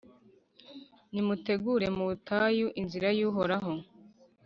«Nimutegure mu butayu inzira y’Uhoraho,